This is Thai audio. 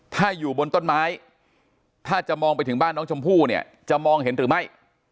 ถ้าอยู่บนต้นไม้ถ้าจะมองไปถึงบ้านน้องชมพู่เนี่ยจะมองเห็นหรือไม่